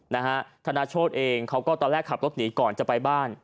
นะฮะธนโชธเองเขาก็ตอนแรกขับรถหนีก่อนจะไปบ้าน